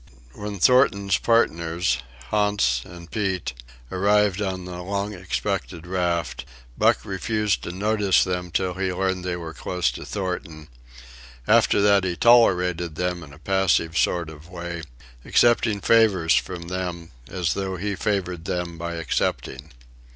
When Thornton's partners, Hans and Pete, arrived on the long expected raft, Buck refused to notice them till he learned they were close to Thornton; after that he tolerated them in a passive sort of way, accepting favors from them as though he favored them by accepting.